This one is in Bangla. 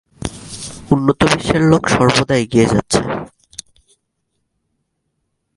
উন্নত বিশ্বের লােক সর্বদা এগিয়ে যাচ্ছে।